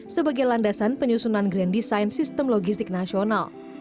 sebagai landasan penyusunan grand design sistem logistik nasional